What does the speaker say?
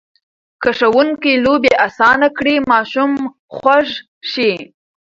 که ښوونکي لوبې اسانه کړي، ماشوم خوښ شي.